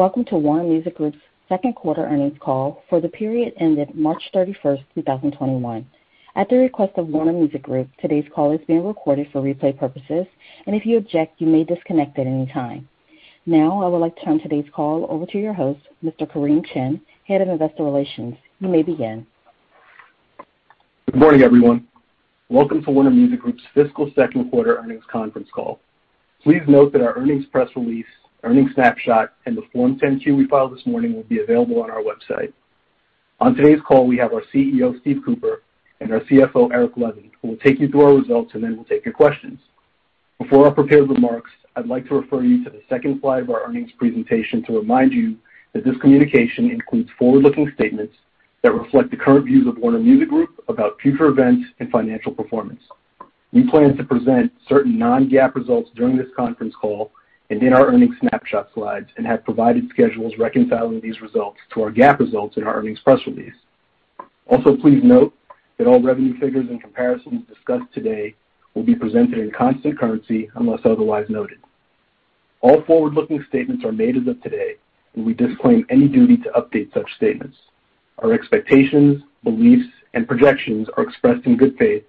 Welcome to Warner Music Group's Second Quarter Earnings Call for the period ended March 31st, 2021. At the request of Warner Music Group, today's call is being recorded for replay purposes, and if you object, you may disconnect at any time. Now, I would like to turn today's call over to your host, Mr. Kareem Chin, Head of Investor Relations. You may begin. Good morning, everyone. Welcome to Warner Music Group's fiscal second quarter earnings conference call. Please note that our earnings press release, earnings snapshot, and the Form 10-Q we filed this morning will be available on our website. On today's call, we have our CEO, Steve Cooper, and our CFO, Eric Levin, who will take you through our results, and then we'll take your questions. Before our prepared remarks, I'd like to refer you to the second slide of our earnings presentation to remind you that this communication includes forward-looking statements that reflect the current views of Warner Music Group about future events and financial performance. We plan to present certain non-GAAP results during this conference call and in our earnings snapshot slides and have provided schedules reconciling these results to our GAAP results in our earnings press release. Also, please note that all revenue figures and comparisons discussed today will be presented in constant currency unless otherwise noted. All forward-looking statements are made as of today, and we disclaim any duty to update such statements. Our expectations, beliefs, and projections are expressed in good faith,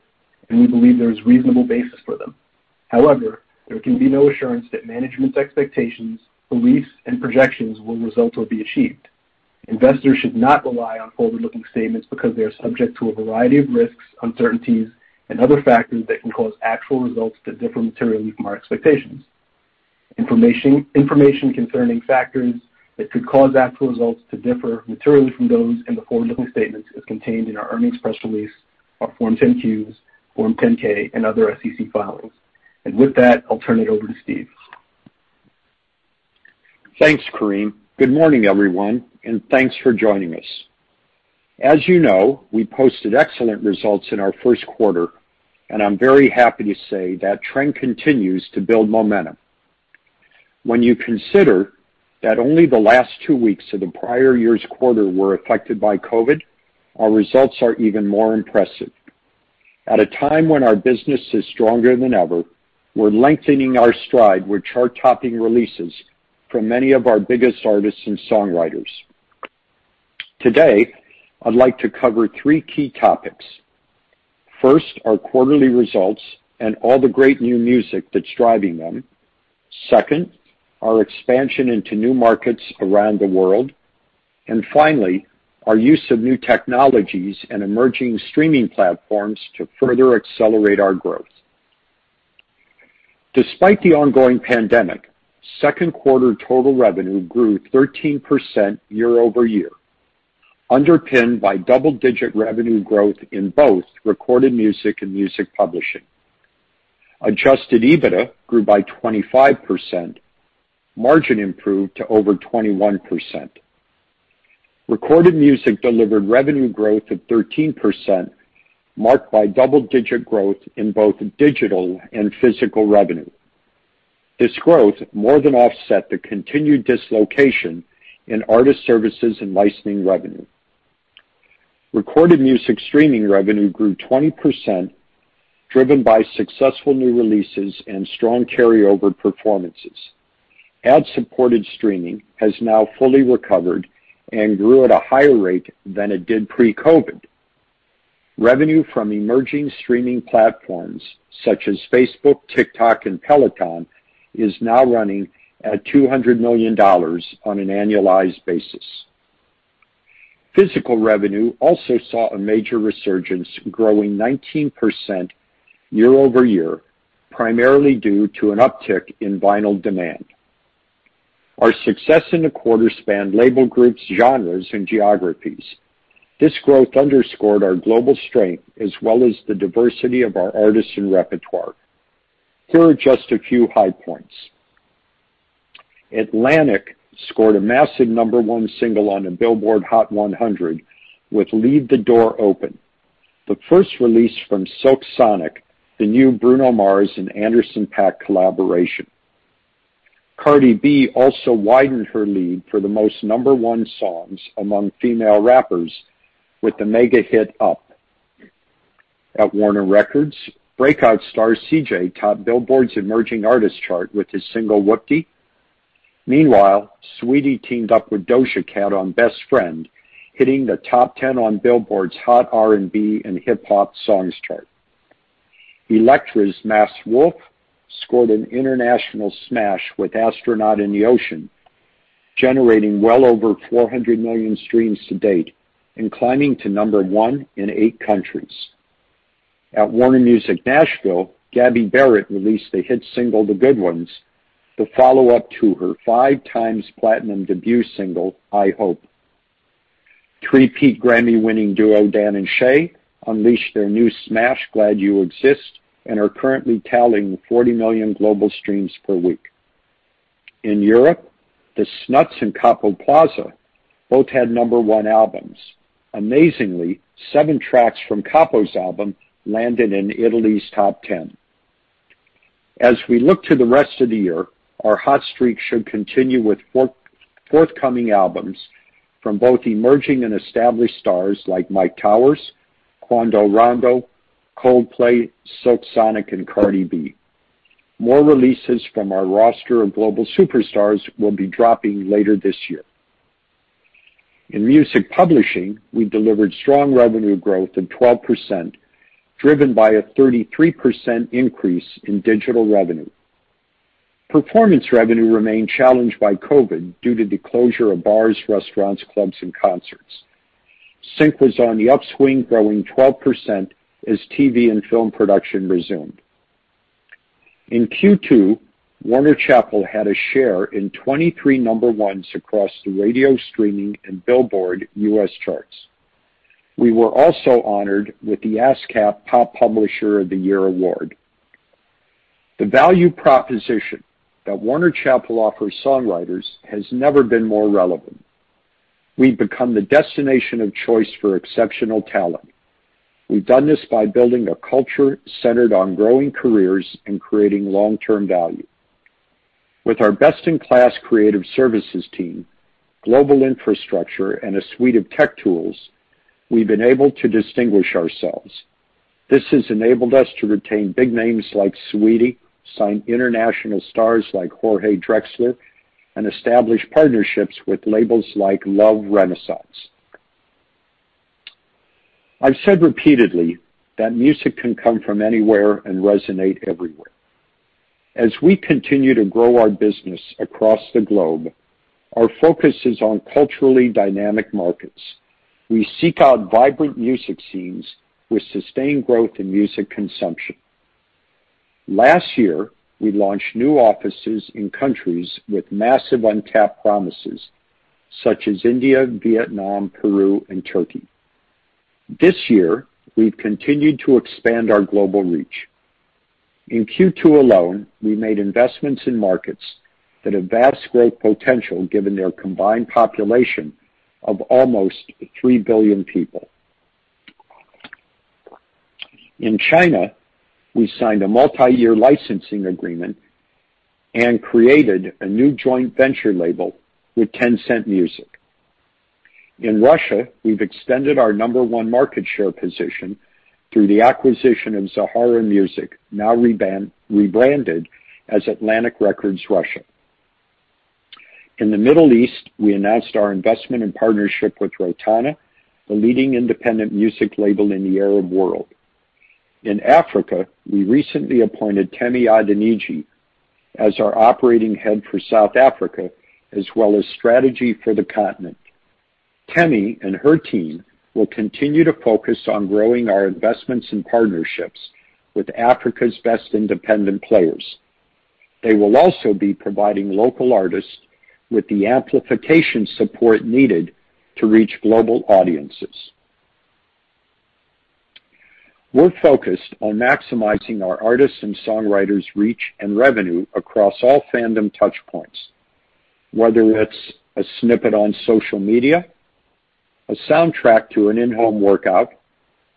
and we believe there is reasonable basis for them. However, there can be no assurance that management's expectations, beliefs, and projections will result or be achieved. Investors should not rely on forward-looking statements because they are subject to a variety of risks, uncertainties, and other factors that can cause actual results to differ materially from our expectations. Information concerning factors that could cause actual results to differ materially from those in the forward-looking statements is contained in our earnings press release, our Form 10-Qs, Form 10-K, and other SEC filings. With that, I'll turn it over to Steve Cooper. Thanks, Kareem. Good morning, everyone, and thanks for joining us. As you know, we posted excellent results in our first quarter, and I'm very happy to say that trend continues to build momentum. When you consider that only the last two weeks of the prior year's quarter were affected by COVID, our results are even more impressive. At a time when our business is stronger than ever, we're lengthening our stride with chart-topping releases from many of our biggest artists and songwriters. Today, I'd like to cover three key topics. First, our quarterly results and all the great new music that's driving them. Second, our expansion into new markets around the world. Finally, our use of new technologies and emerging streaming platforms to further accelerate our growth. Despite the ongoing pandemic, second quarter total revenue grew 13% year-over-year, underpinned by double-digit revenue growth in both recorded music and music publishing. Adjusted EBITDA grew by 25%. Margin improved to over 21%. Recorded music delivered revenue growth of 13%, marked by double-digit growth in both digital and physical revenue. This growth more than offset the continued dislocation in artist services and licensing revenue. Recorded music streaming revenue grew 20%, driven by successful new releases and strong carryover performances. Ad-supported streaming has now fully recovered and grew at a higher rate than it did pre-COVID. Revenue from emerging streaming platforms such as Facebook, TikTok, and Peloton is now running at $200 million on an annualized basis. Physical revenue also saw a major resurgence, growing 19% year-over-year, primarily due to an uptick in vinyl demand. Our success in the quarter spanned label groups, genres, and geographies. This growth underscored our global strength as well as the diversity of our artists and repertoire. Here are just a few high points. Atlantic scored a massive number one single on the Billboard Hot 100 with "Leave the Door Open," the first release from Silk Sonic, the new Bruno Mars and Anderson .Paak collaboration. Cardi B also widened her lead for the most number one songs among female rappers with the mega hit "Up." At Warner Records, breakout star CJ topped Billboard's Emerging Artists chart with his single, "Whoopty." Meanwhile, Saweetie teamed up with Doja Cat on "Best Friend," hitting the top 10 on Billboard's Hot R&B and Hip-Hop Songs chart. Elektra's Masked Wolf scored an international smash with "Astronaut in the Ocean," generating well over 400 million streams to date and climbing to number one in eight countries. At Warner Music Nashville, Gabby Barrett released the hit single "The Good Ones," the follow-up to her 5-times platinum debut single, "I Hope." Three-peat Grammy-winning duo Dan + Shay unleashed their new smash, "Glad You Exist," and are currently tallying 40 million global streams per week. In Europe, The Snuts and Capo Plaza both had number one albums. Amazingly, seven tracks from Capo's album landed in Italy's top 10. We look to the rest of the year, our hot streak should continue with forthcoming albums from both emerging and established stars like Myke Towers, Quando Rondo, Coldplay, Silk Sonic, and Cardi B. More releases from our roster of global superstars will be dropping later this year. In music publishing, we delivered strong revenue growth of 12%, driven by a 33% increase in digital revenue. Performance revenue remained challenged by COVID due to the closure of bars, restaurants, clubs, and concerts. Sync was on the upswing, growing 12% as TV and film production resumed. In Q2, Warner Chappell had a share in 23 number ones across the radio streaming and Billboard U.S. charts. We were also honored with the ASCAP Pop Publisher of the Year award. The value proposition that Warner Chappell offers songwriters has never been more relevant. We've become the destination of choice for exceptional talent. We've done this by building a culture centered on growing careers and creating long-term value. With our best-in-class creative services team, global infrastructure, and a suite of tech tools, we've been able to distinguish ourselves. This has enabled us to retain big names like Saweetie, sign international stars like Jorge Drexler, and establish partnerships with labels like Love Renaissance. I've said repeatedly that music can come from anywhere and resonate everywhere. As we continue to grow our business across the globe, our focus is on culturally dynamic markets. We seek out vibrant music scenes with sustained growth in music consumption. Last year, we launched new offices in countries with massive untapped promises, such as India, Vietnam, Peru, and Turkey. This year, we've continued to expand our global reach. In Q2 alone, we made investments in markets that have vast growth potential given their combined population of almost 3 billion people. In China, we signed a multi-year licensing agreement and created a new joint venture label with Tencent Music. In Russia, we've extended our number one market share position through the acquisition of Zhara Music, now rebranded as Atlantic Records Russia. In the Middle East, we announced our investment and partnership with Rotana, the leading independent music label in the Arab world. In Africa, we recently appointed Temi Adeniji as our operating head for South Africa, as well as strategy for the continent. Temi and her team will continue to focus on growing our investments and partnerships with Africa's best independent players. They will also be providing local artists with the amplification support needed to reach global audiences. We're focused on maximizing our artists' and songwriters' reach and revenue across all fandom touch points, whether it's a snippet on social media, a soundtrack to an in-home workout,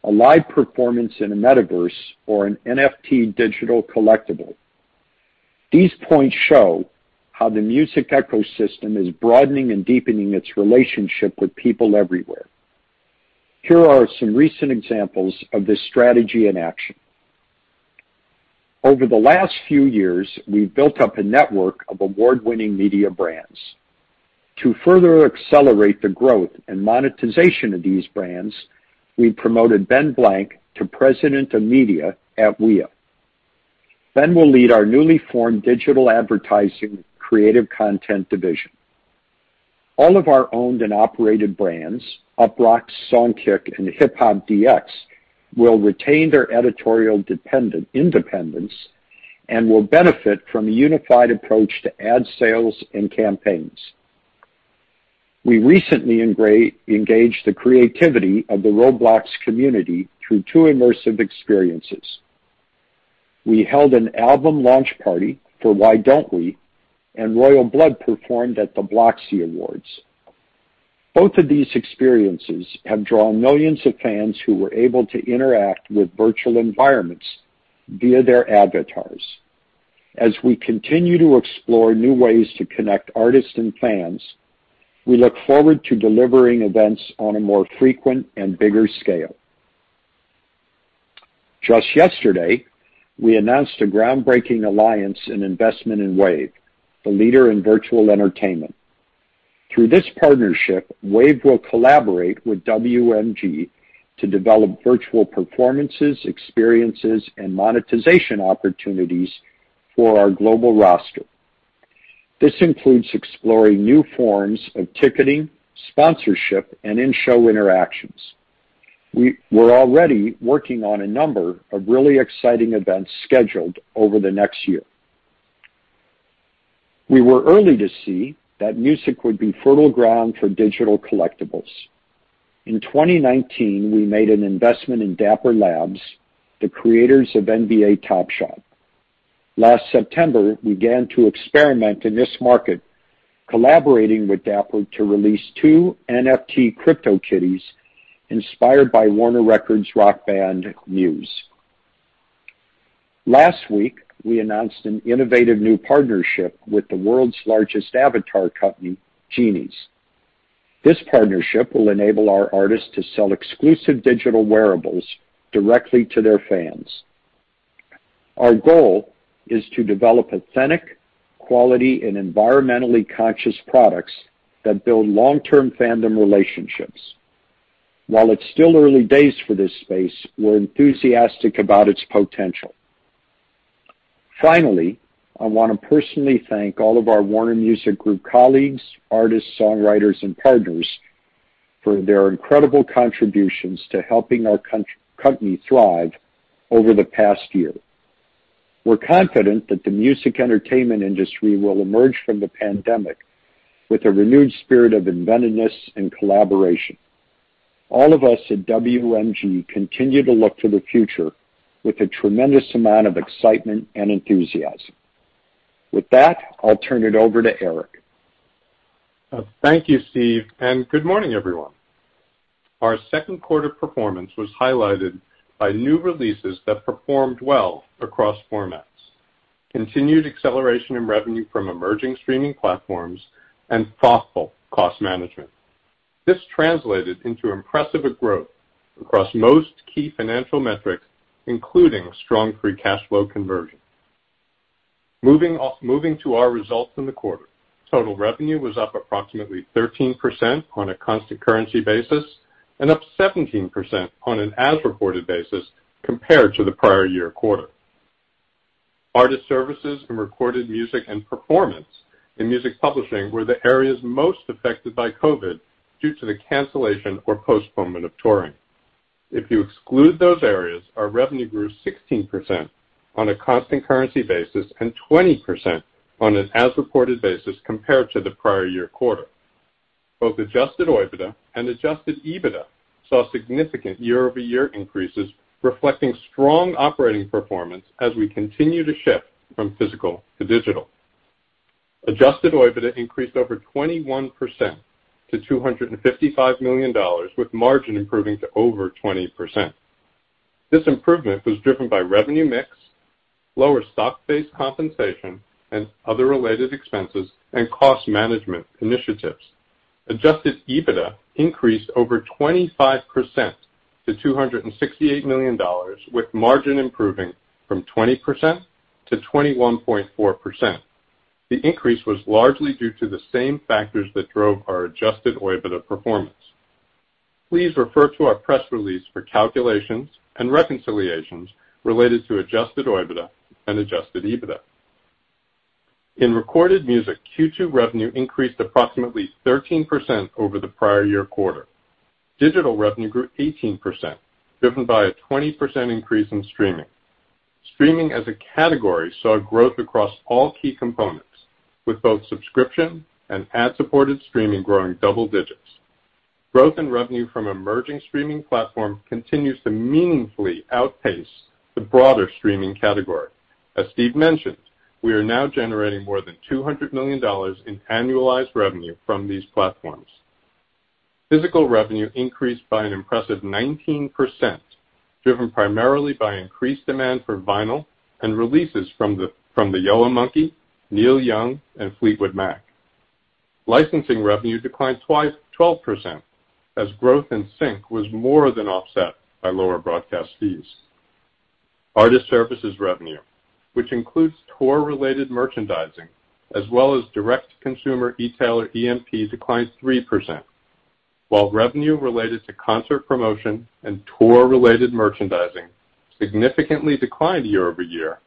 a live performance in a metaverse or an NFT digital collectible. These points show how the music ecosystem is broadening and deepening its relationship with people everywhere. Here are some recent examples of this strategy in action. Over the last few years, we've built up a network of award-winning media brands. To further accelerate the growth and monetization of these brands, we promoted Ben Blank to President of Media at WEA. Ben will lead our newly formed digital advertising creative content division. All of our owned and operated brands, UPROXX, Songkick, and HipHopDX, will retain their editorial independence and will benefit from a unified approach to ad sales and campaigns. We recently engaged the creativity of the Roblox community through two immersive experiences. We held an album launch party for Why Don't We, and Royal Blood performed at the Bloxy Awards. Both of these experiences have drawn millions of fans who were able to interact with virtual environments via their avatars. As we continue to explore new ways to connect artists and fans, we look forward to delivering events on a more frequent and bigger scale. Just yesterday, we announced a groundbreaking alliance and investment in Wave, the leader in virtual entertainment. Through this partnership, Wave will collaborate with WMG to develop virtual performances, experiences, and monetization opportunities for our global roster. This includes exploring new forms of ticketing, sponsorship, and in-show interactions. We're already working on a number of really exciting events scheduled over the next year. We were early to see that music would be fertile ground for digital collectibles. In 2019, we made an investment in Dapper Labs, the creators of NBA Top Shot. Last September, we began to experiment in this market, collaborating with Dapper to release two NFT CryptoKitties inspired by Warner Records rock band Muse. Last week, we announced an innovative new partnership with the world's largest avatar company, Genies. This partnership will enable our artists to sell exclusive digital wearables directly to their fans. Our goal is to develop authentic, quality, and environmentally conscious products that build long-term fandom relationships. While it's still early days for this space, we're enthusiastic about its potential. Finally, I want to personally thank all of our Warner Music Group colleagues, artists, songwriters, and partners for their incredible contributions to helping our company thrive over the past year. We're confident that the music entertainment industry will emerge from the pandemic with a renewed spirit of inventiveness and collaboration. All of us at WMG continue to look to the future with a tremendous amount of excitement and enthusiasm. With that, I'll turn it over to Eric. Thank you, Steve, good morning, everyone. Our second quarter performance was highlighted by new releases that performed well across formats, continued acceleration in revenue from emerging streaming platforms, and thoughtful cost management. This translated into impressive growth across most key financial metrics, including strong free cash flow conversion. Moving to our results in the quarter. Total revenue was up approximately 13% on a constant currency basis and up 17% on an as-reported basis compared to the prior year quarter. Artist services and recorded music and performance in music publishing were the areas most affected by COVID due to the cancellation or postponement of touring. If you exclude those areas, our revenue grew 16% on a constant currency basis and 20% on an as-reported basis compared to the prior year quarter. Both adjusted OIBDA and adjusted EBITDA saw significant year-over-year increases, reflecting strong operating performance as we continue to shift from physical to digital. Adjusted OIBDA increased over 21% to $255 million, with margin improving to over 20%. This improvement was driven by revenue mix, lower stock-based compensation and other related expenses, and cost management initiatives. Adjusted EBITDA increased over 25% to $268 million, with margin improving from 20%-21.4%. The increase was largely due to the same factors that drove our adjusted OIBDA performance. Please refer to our press release for calculations and reconciliations related to adjusted OIBDA and adjusted EBITDA. In recorded music, Q2 revenue increased approximately 13% over the prior year quarter. Digital revenue grew 18%, driven by a 20% increase in streaming. Streaming as a category saw growth across all key components, with both subscription and ad-supported streaming growing double digits. Growth in revenue from emerging streaming platform continues to meaningfully outpace the broader streaming category. As Steve mentioned, we are now generating more than $200 million in annualized revenue from these platforms. Physical revenue increased by an impressive 19%, driven primarily by increased demand for vinyl and releases from The Yellow Monkey, Neil Young, and Fleetwood Mac. Licensing revenue declined 12%, as growth in sync was more than offset by lower broadcast fees. Artist services revenue, which includes tour-related merchandising as well as direct-to-consumer retailer EMP, declined 3%. While revenue related to concert promotion and tour-related merchandising significantly declined year-over-year,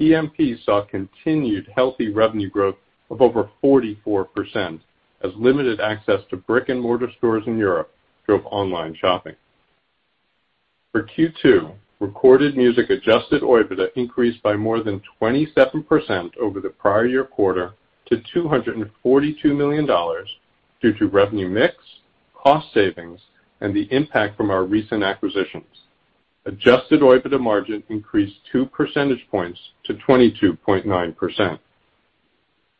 EMP saw continued healthy revenue growth of over 44% as limited access to brick-and-mortar stores in Europe drove online shopping. For Q2, recorded music adjusted OIBDA increased by more than 27% over the prior year quarter to $242 million due to revenue mix, cost savings, and the impact from our recent acquisitions. Adjusted OIBDA margin increased two percentage points to 22.9%.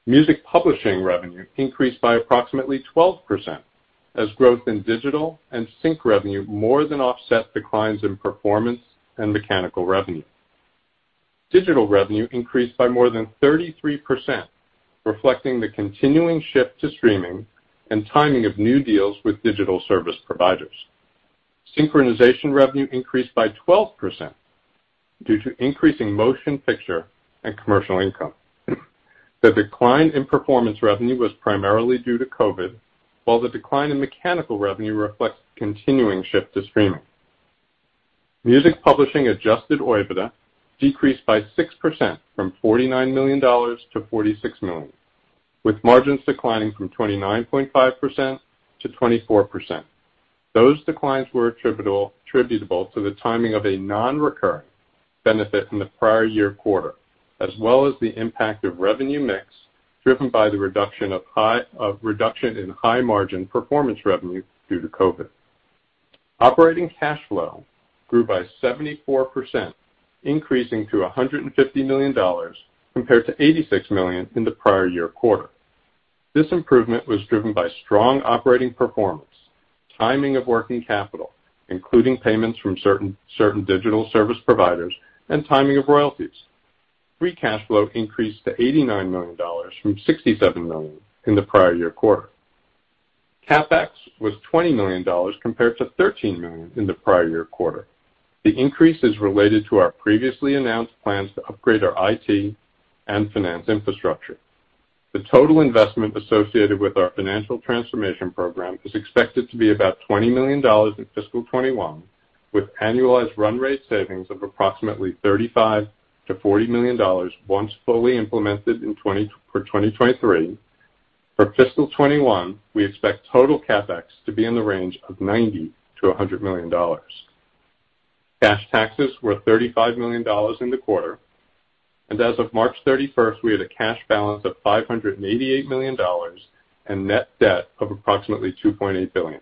Music publishing revenue increased by approximately 12%, as growth in digital and sync revenue more than offset declines in performance and mechanical revenue. Digital revenue increased by more than 33%, reflecting the continuing shift to streaming and timing of new deals with digital service providers. Synchronization revenue increased by 12% due to increasing motion picture and commercial income. The decline in performance revenue was primarily due to COVID, while the decline in mechanical revenue reflects the continuing shift to streaming. Music publishing adjusted OIBDA decreased by 6%, from $49 million-$46 million, with margins declining from 29.5%-24%. Those declines were attributable to the timing of a non-recurring benefit in the prior year quarter, as well as the impact of revenue mix driven by the reduction in high-margin performance revenue due to COVID. Operating cash flow grew by 74%, increasing to $150 million compared to $86 million in the prior year quarter. This improvement was driven by strong operating performance, timing of working capital, including payments from certain digital service providers, and timing of royalties. Free cash flow increased to $89 million from $67 million in the prior year quarter. CapEx was $20 million compared to $13 million in the prior year quarter. The increase is related to our previously announced plans to upgrade our IT and finance infrastructure. The total investment associated with our financial transformation program is expected to be about $20 million in fiscal 2021, with annualized run rate savings of approximately $35 million-$40 million once fully implemented for 2023. For fiscal 2021, we expect total CapEx to be in the range of $90 million-$100 million. Cash taxes were $35 million in the quarter, and as of March 31st, we had a cash balance of $588 million and net debt of approximately $2.8 billion.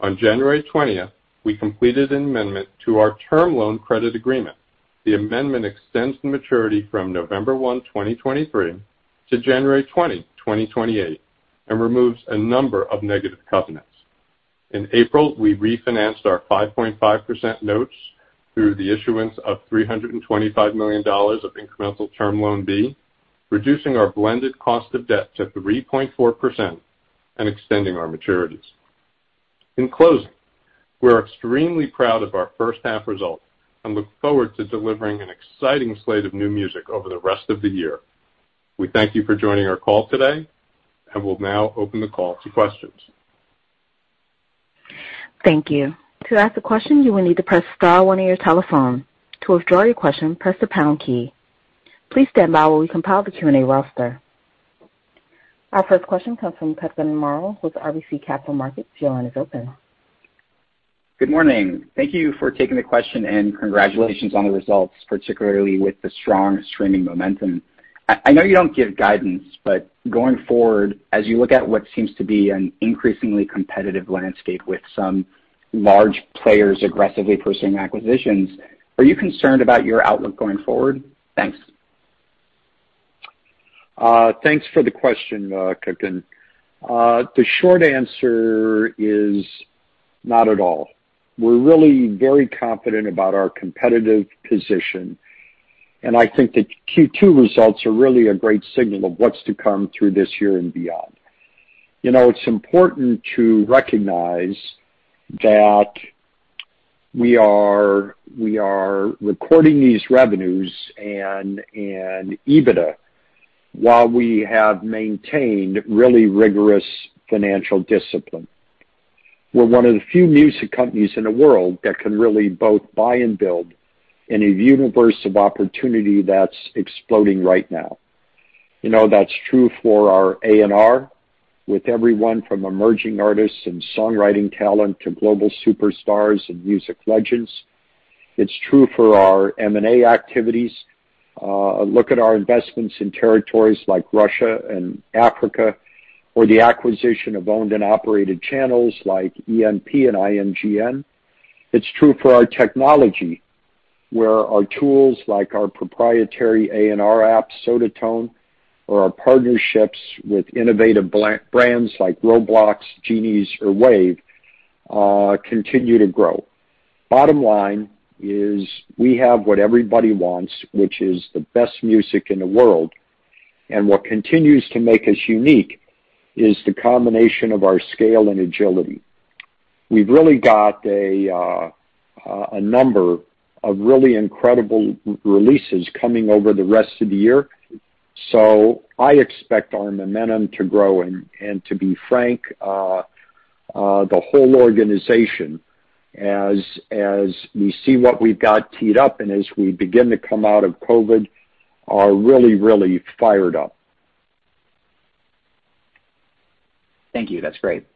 On January 20th, we completed an amendment to our term loan credit agreement. The amendment extends the maturity from November 1, 2023 to January 20, 2028, and removes a number of negative covenants. In April, we refinanced our 5.5% notes through the issuance of $325 million of incremental Term Loan B, reducing our blended cost of debt to 3.4% and extending our maturities. In closing, we're extremely proud of our first half results and look forward to delivering an exciting slate of new music over the rest of the year. We thank you for joining our call today and will now open the call to questions. Thank you. To ask a question, you will need to press star one on your telephone. To withdraw your question, press the pound key. Please stand by while we compile the Q&A roster. Our first question comes from Kutgun Maral with RBC Capital Markets. Your line is open. Good morning. Thank you for taking the question and congratulations on the results, particularly with the strong streaming momentum. I know you don't give guidance, but going forward, as you look at what seems to be an increasingly competitive landscape with some large players aggressively pursuing acquisitions, are you concerned about your outlook going forward? Thanks. Thanks for the question, Kutgun. The short answer is not at all. We're really very confident about our competitive position, and I think the Q2 results are really a great signal of what's to come through this year and beyond. It's important to recognize that we are recording these revenues and EBITDA while we have maintained really rigorous financial discipline. We're one of the few music companies in the world that can really both buy and build in a universe of opportunity that's exploding right now. That's true for our A&R with everyone from emerging artists and songwriting talent to global superstars and music legends. It's true for our M&A activities. Look at our investments in territories like Russia and Africa, or the acquisition of owned and operated channels like EMP and IMGN. It's true for our technology, where our tools like our proprietary A&R app, Sodatone, or our partnerships with innovative brands like Roblox, Genies, or Wave continue to grow. Bottom line is we have what everybody wants, which is the best music in the world. What continues to make us unique is the combination of our scale and agility. We've really got a number of really incredible releases coming over the rest of the year. I expect our momentum to grow and, to be frank, the whole organization, as we see what we've got teed up and as we begin to come out of COVID, are really, really fired up. Thank you. That's great.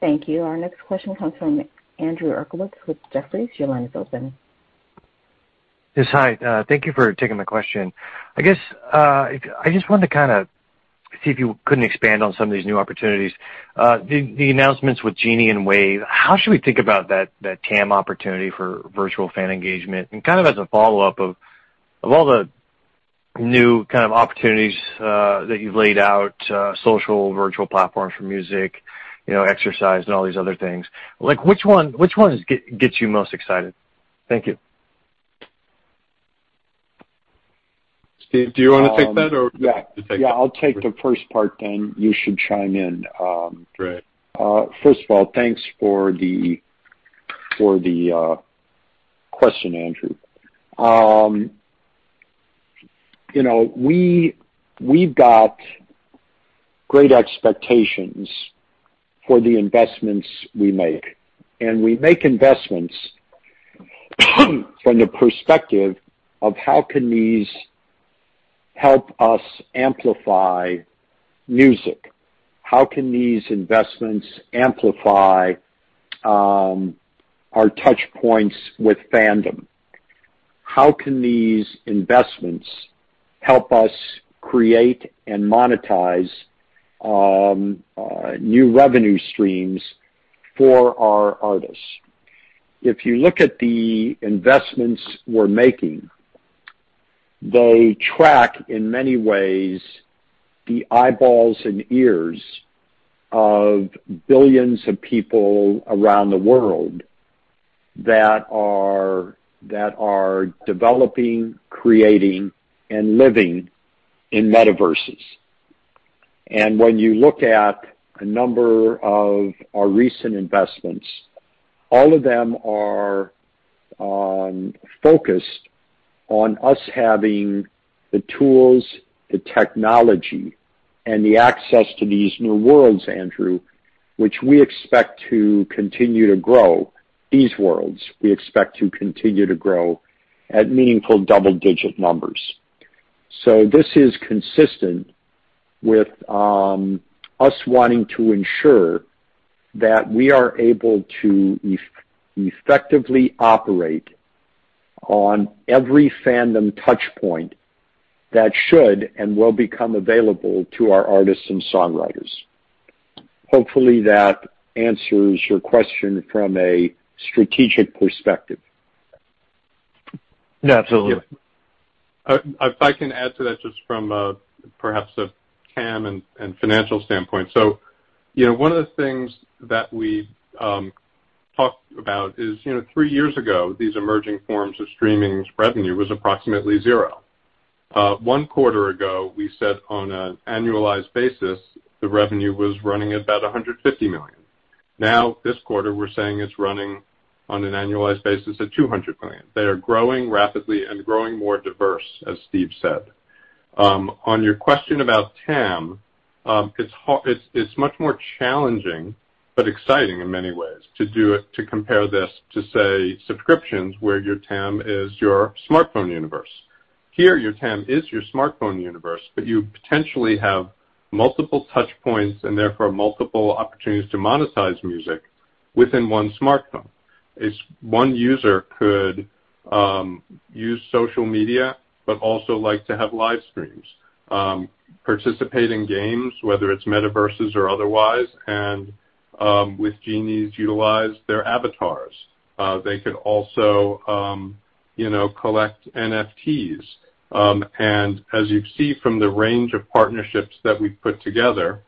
Thank you. Our next question comes from Andrew Uerkwitz with Jefferies. Your line is open. Yes. Hi. Thank you for taking the question. I guess I just wanted to kind of see if you could expand on some of these new opportunities. The announcements with Genies and Wave, how should we think about that TAM opportunity for virtual fan engagement? Kind of as a follow-up of all the new kind of opportunities that you've laid out, social virtual platforms for music, exercise, and all these other things, which one gets you most excited? Thank you. Steve, do you want to take that or you want me to take that? Yeah, I'll take the first part, then you should chime in. Great. First of all, thanks for the question, Andrew. We've got great expectations for the investments we make. We make investments from the perspective of how can these help us amplify music? How can these investments amplify our touch points with fandom? How can these investments help us create and monetize new revenue streams for our artists? If you look at the investments we're making, they track, in many ways, the eyeballs and ears of billions of people around the world that are developing, creating, and living in metaverses. When you look at a number of our recent investments, all of them are focused on us having the tools, the technology, and the access to these new worlds, Andrew, which we expect to continue to grow these worlds. We expect to continue to grow at meaningful double-digit numbers. This is consistent with us wanting to ensure that we are able to effectively operate on every fandom touch point that should and will become available to our artists and songwriters. Hopefully, that answers your question from a strategic perspective. Yeah, absolutely. If I can add to that just from perhaps a TAM and financial standpoint. One of the things that we talked about is, three years ago, these emerging forms of streaming revenue was approximately zero. One quarter ago, we said on an annualized basis, the revenue was running at about $150 million. Now, this quarter, we're saying it's running on an annualized basis at $200 million. They are growing rapidly and growing more diverse, as Steve said. On your question about TAM, it's much more challenging but exciting in many ways to compare this to, say, subscriptions where your TAM is your smartphone universe. Here, your TAM is your smartphone universe, but you potentially have multiple touch points and therefore multiple opportunities to monetize music within one smartphone. One user could use social media but also like to have live streams, participate in games, whether it is metaverses or otherwise, and with Genies utilize their avatars. They could also collect NFTs. As you see from the range of partnerships that we've put together,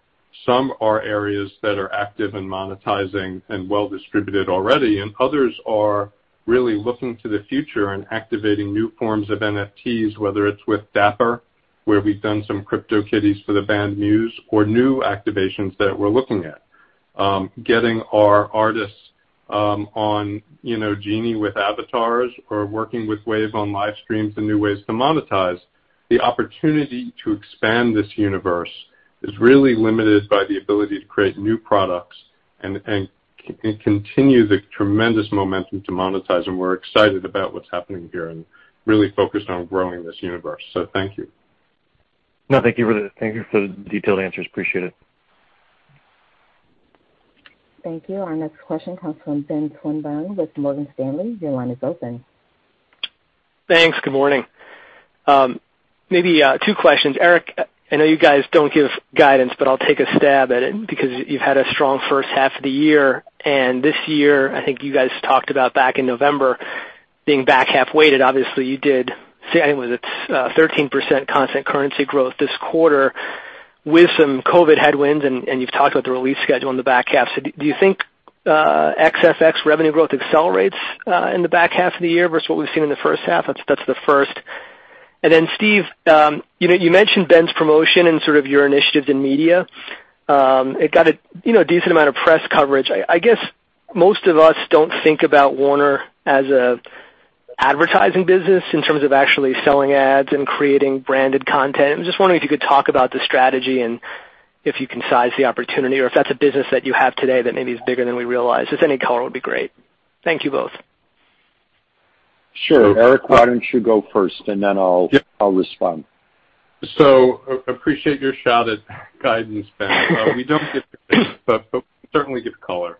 some are areas that are active in monetizing and well-distributed already, and others are really looking to the future and activating new forms of NFTs, whether it is with Dapper, where we've done some CryptoKitties for the band Muse or new activations that we're looking at. Getting our artists on Genies with avatars or working with Wave on live streams and new ways to monetize. The opportunity to expand this universe is really limited by the ability to create new products and continue the tremendous momentum to monetize them. We're excited about what's happening here and really focused on growing this universe. Thank you. No, thank you for the detailed answers. Appreciate it. Thank you. Our next question comes from Benjamin Swinburne with Morgan Stanley. Your line is open. Thanks. Good morning. Maybe two questions. Eric, I know you guys don't give guidance. I'll take a stab at it because you've had a strong first half of the year, and this year, I think you guys talked about back in November being back half-weighted. Obviously, you did say it was 13% constant currency growth this quarter with some COVID headwinds, and you've talked about the release schedule in the back half. Do you think xFX revenue growth accelerates in the back half of the year versus what we've seen in the first half? That's the first. Steve, you mentioned Ben's promotion and sort of your initiatives in media. It got a decent amount of press coverage. I guess most of us don't think about Warner as an advertising business in terms of actually selling ads and creating branded content. I'm just wondering if you could talk about the strategy and if you can size the opportunity or if that's a business that you have today that maybe is bigger than we realize. Just any color would be great. Thank you both. Sure. Eric, why don't you go first, and then I'll respond. Appreciate your shout at guidance, Ben. We don't give guidance, but we certainly give color.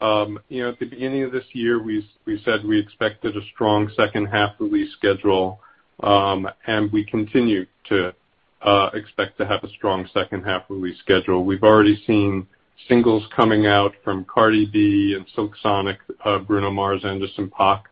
At the beginning of this year, we said we expected a strong second half release schedule, and we continue to expect to have a strong second half release schedule. We've already seen singles coming out from Cardi B and Silk Sonic, Bruno Mars, Anderson .Paak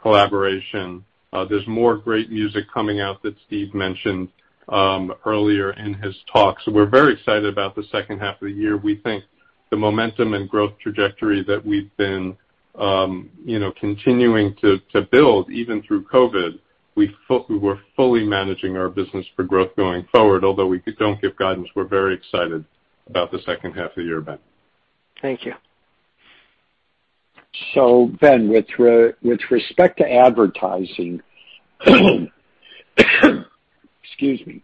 collaboration. There's more great music coming out that Steve mentioned earlier in his talk. We're very excited about the second half of the year. We think the momentum and growth trajectory that we've been continuing to build, even through COVID, we're fully managing our business for growth going forward. Although we don't give guidance, we're very excited about the second half of the year, Ben. Thank you. Ben, with respect to advertising, excuse me.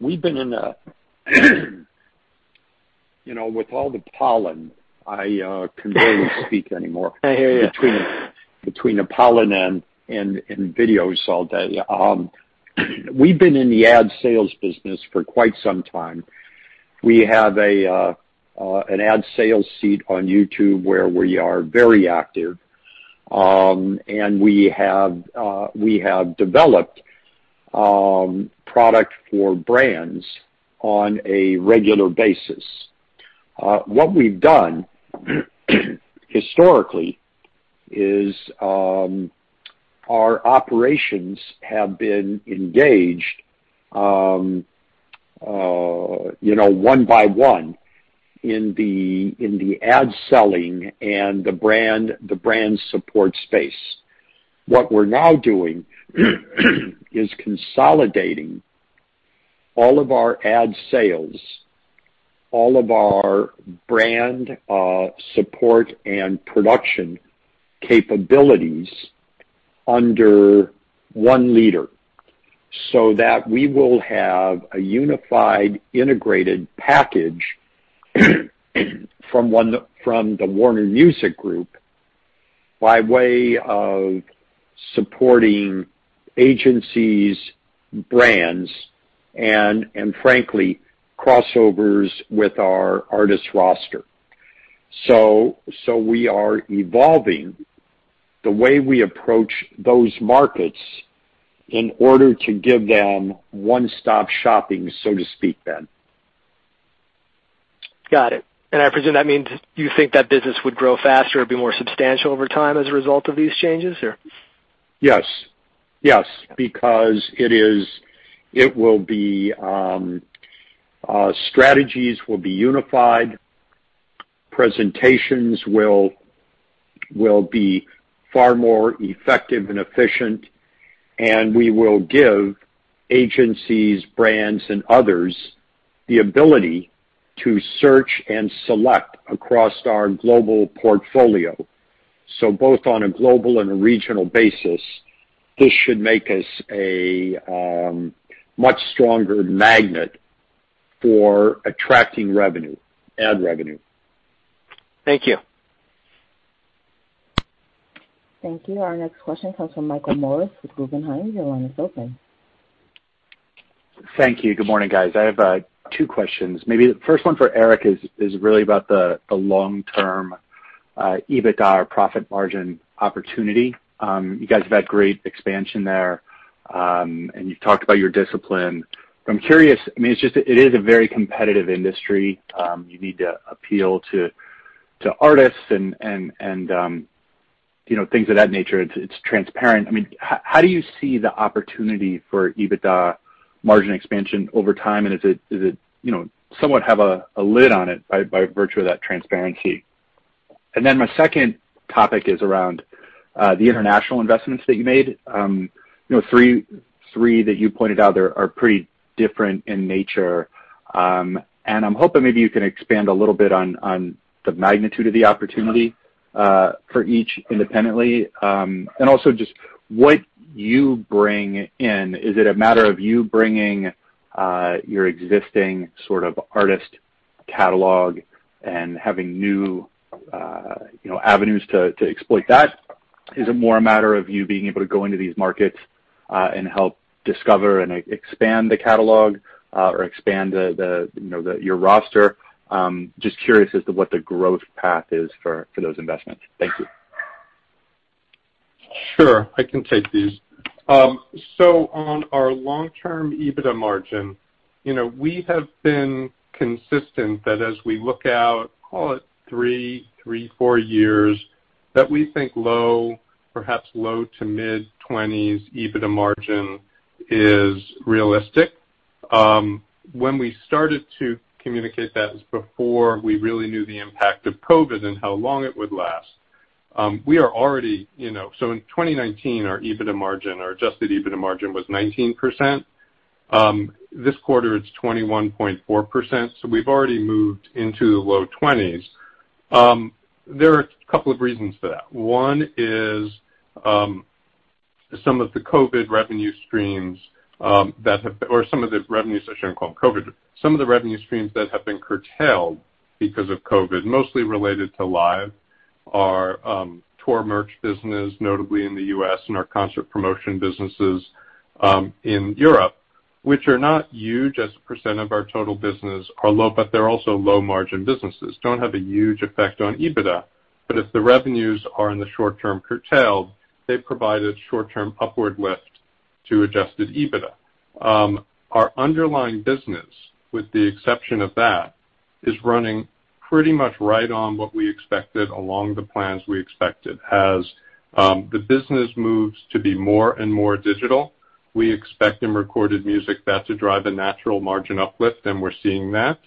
We've been with all the pollen, I can barely speak anymore. I hear you. Between the pollen and videos all day. We've been in the ad sales business for quite some time. We have an ad sales seat on YouTube where we are very active. We have developed product for brands on a regular basis. What we've done historically is our operations have been engaged one by one in the ad selling and the brand support space. What we're now doing is consolidating all of our ad sales, all of our brand support and production capabilities under one leader, so that we will have a unified, integrated package from the Warner Music Group by way of supporting agencies, brands, and frankly, crossovers with our artist roster. We are evolving the way we approach those markets in order to give them one-stop shopping, so to speak, Ben. Got it. I presume that means you think that business would grow faster or be more substantial over time as a result of these changes? Yes. Because [it is, it will be,] strategies will be unified, presentations will be far more effective and efficient, and we will give agencies, brands, and others the ability to search and select across our global portfolio. Both on a global and a regional basis, this should make us a much stronger magnet for attracting ad revenue. Thank you. Thank you. Our next question comes from Michael Morris with Guggenheim. Your line is open. Thank you. Good morning, guys. I have two questions. Maybe the first one for Eric is really about the long-term EBITDA profit margin opportunity. You guys have had great expansion there, and you've talked about your discipline. I'm curious, it is a very competitive industry. You need to appeal to artists and things of that nature. It's transparent. How do you see the opportunity for EBITDA margin expansion over time, and does it somewhat have a lid on it by virtue of that transparency? My second topic is around the international investments that you made. Three that you pointed out there are pretty different in nature. I'm hoping maybe you can expand a little bit on the magnitude of the opportunity for each independently. Also just what you bring in. Is it a matter of you bringing your existing sort of artist catalog and having new avenues to exploit that? Is it more a matter of you being able to go into these markets and help discover and expand the catalog or expand your roster? Just curious as to what the growth path is for those investments. Thank you. Sure. I can take these. On our long-term EBITDA margin, we have been consistent that as we look out, call it three, four years, that we think perhaps low to mid-20s EBITDA margin is realistic. When we started to communicate that is before we really knew the impact of COVID and how long it would last. In 2019, our adjusted EBITDA margin was 19%. This quarter, it's 21.4%, so we've already moved into the low 20s. There are a couple of reasons for that. One is some of the COVID revenue streams, or some of the revenues I shouldn't call COVID. Some of the revenue streams that have been curtailed because of COVID, mostly related to live, our tour merch business, notably in the U.S., and our concert promotion businesses in Europe, which are not huge as a percent of our total business are low, but they're also low-margin businesses. Don't have a huge effect on EBITDA, but if the revenues are in the short term curtailed, they provided short-term upward lift to adjusted EBITDA. Our underlying business, with the exception of that, is running pretty much right on what we expected along the plans we expected. As the business moves to be more and more digital, we expect in recorded music that to drive a natural margin uplift, and we're seeing that.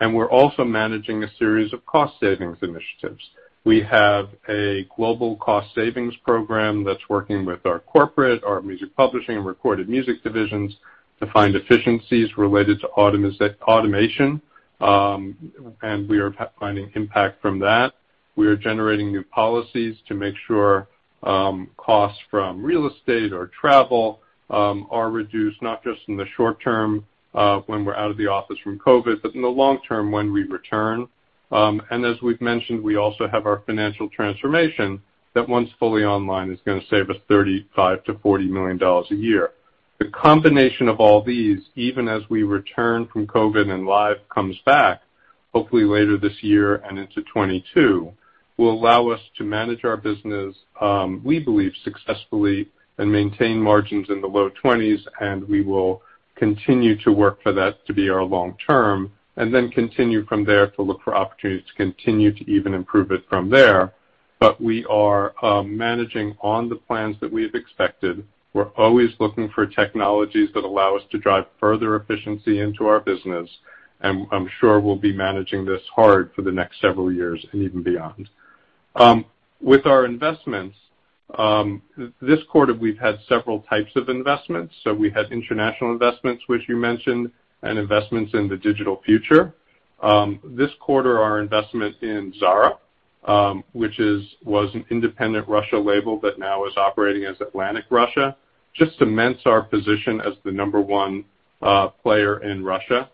We're also managing a series of cost savings initiatives. We have a global cost savings program that's working with our corporate, our music publishing, and recorded music divisions to find efficiencies related to automation. We are finding impact from that. We are generating new policies to make sure costs from real estate or travel are reduced, not just in the short term when we're out of the office from COVID, but in the long term when we return. As we've mentioned, we also have our financial transformation that once fully online, is going to save us $35 million-$40 million a year. The combination of all these, even as we return from COVID and live comes back, hopefully later this year and into 2022, will allow us to manage our business, we believe successfully, and maintain margins in the low 20s. We will continue to work for that to be our long term. We will continue from there to look for opportunities to continue to even improve it from there. We are managing on the plans that we have expected. We're always looking for technologies that allow us to drive further efficiency into our business. I'm sure we'll be managing this hard for the next several years and even beyond. With our investments, this quarter, we've had several types of investments. We had international investments, which you mentioned, and investments in the digital future. This quarter, our investment in Zhara, which was an independent Russia label but now is operating as Atlantic Records Russia, just cements our position as the number one player in Russia,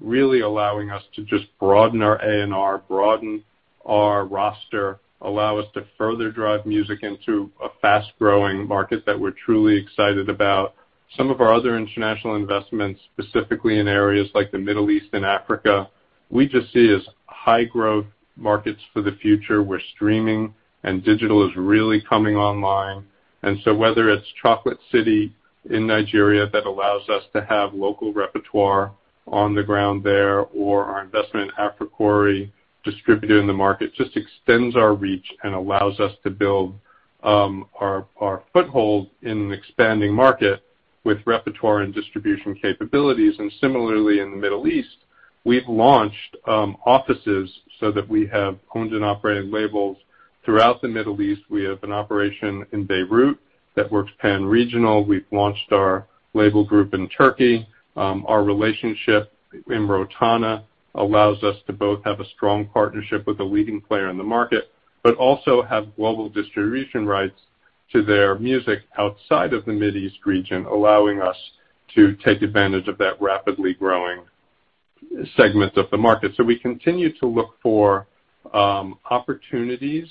really allowing us to just broaden our A&R, broaden our roster, allow us to further drive music into a fast-growing market that we're truly excited about. Some of our other international investments, specifically in areas like the Middle East and Africa, we just see as high growth markets for the future, where streaming and digital is really coming online. Whether it's Chocolate City in Nigeria that allows us to have local repertoire on the ground there, or our investment Africori distributor in the market, just extends our reach and allows us to build our foothold in an expanding market with repertoire and distribution capabilities. Similarly, in the Middle East, we've launched offices so that we have owned and operated labels throughout the Middle East. We have an operation in Beirut that works pan-regional. We've launched our label group in Turkey. Our relationship in Rotana allows us to both have a strong partnership with a leading player in the market, but also have global distribution rights to their music outside of the Mid East region, allowing us to take advantage of that rapidly growing segment of the market. We continue to look for opportunities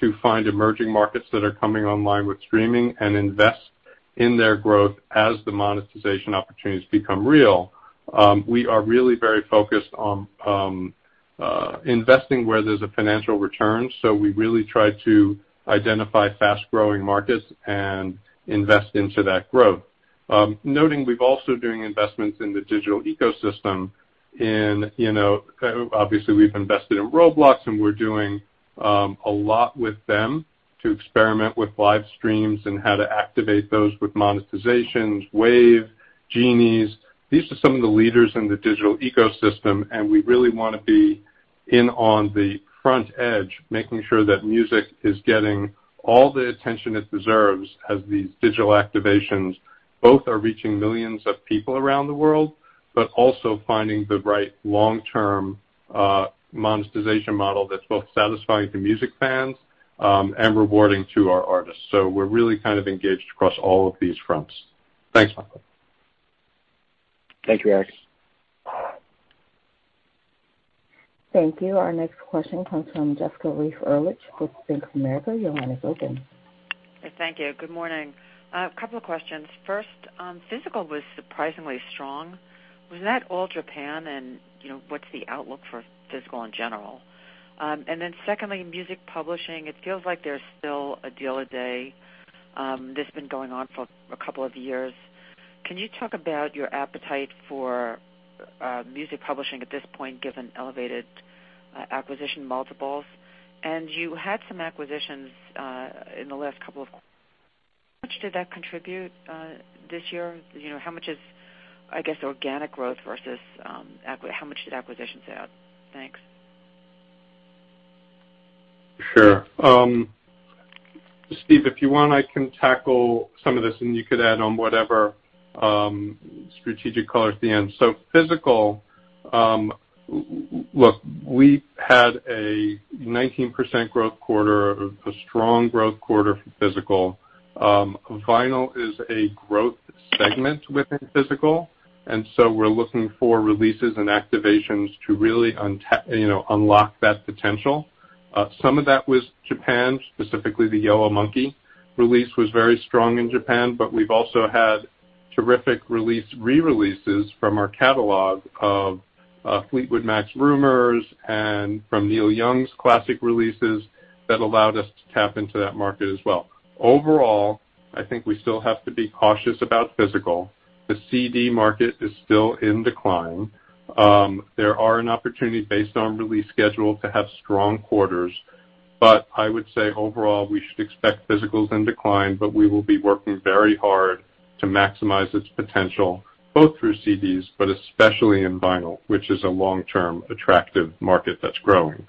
to find emerging markets that are coming online with streaming and invest in their growth as the monetization opportunities become real. We are really very focused on investing where there's a financial return, so we really try to identify fast-growing markets and invest into that growth. Noting we're also doing investments in the digital ecosystem in, obviously we've invested in Roblox, and we're doing a lot with them to experiment with live streams and how to activate those with monetizations. Wave, Genies, these are some of the leaders in the digital ecosystem, and we really want to be in on the front edge, making sure that music is getting all the attention it deserves as these digital activations both are reaching millions of people around the world, but also finding the right long-term monetization model that's both satisfying to music fans and rewarding to our artists. So we're really kind of engaged across all of these fronts. Thanks, Michael. Thank you, Eric. Thank you. Our next question comes from Jessica Reif Ehrlich with Bank of America. Your line is open. Thank you. Good morning. A couple of questions. Physical was surprisingly strong. Was that all Japan? What's the outlook for physical in general? Secondly, music publishing. It feels like there's still a deal a day that's been going on for a couple of years. Can you talk about your appetite for music publishing at this point, given elevated acquisition multiples? You had some acquisitions. How much did that contribute this year? How much is, I guess, organic growth versus how much did acquisitions add? Thanks. Sure. Steve, if you want, I can tackle some of this, you could add on whatever strategic color at the end. Physical, look, we had a 19% growth quarter, a strong growth quarter for physical. Vinyl is a growth segment within physical, we're looking for releases and activations to really unlock that potential. Some of that was Japan, specifically The Yellow Monkey release was very strong in Japan, we've also had terrific re-releases from our catalog of Fleetwood Mac's Rumours and from Neil Young's classic releases that allowed us to tap into that market as well. Overall, I think we still have to be cautious about physical. The CD market is still in decline. There are an opportunity based on release schedule to have strong quarters, but I would say overall, we should expect physicals in decline, but we will be working very hard to maximize its potential, both through CDs, but especially in vinyl, which is a long-term attractive market that's growing.